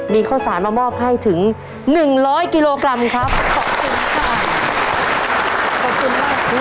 มีข้าวสารมามอบให้ถึง๑๐๐กิโลกรัมขอบคุณค่ะ